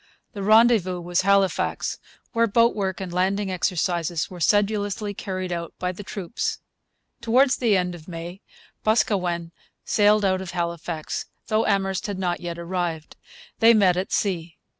The rendezvous was Halifax, where boat work and landing exercises were sedulously carried out by the troops. Towards the end of May Boscawen sailed out of Halifax, though Amherst had not yet arrived. They met at sea.